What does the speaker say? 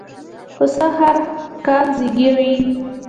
پسه هرکال زېږوي.